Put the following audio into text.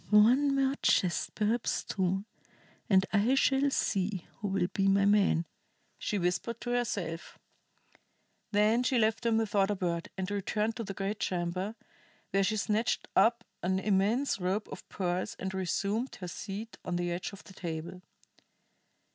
"One more chest, perhaps two, and I shall see who will be my man!" she whispered to herself. Then she left them without a word, and returned to the great chamber, where she snatched up an immense rope of pearls and resumed her seat on the edge of the table.